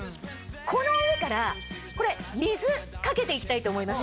この上からこれ水かけていきたいと思います。